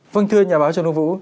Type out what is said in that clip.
vâng thưa nhà báo trần úc vũ